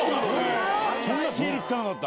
そんな整理つかなかった？